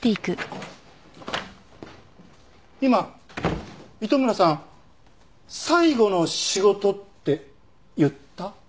今糸村さん最後の仕事って言った？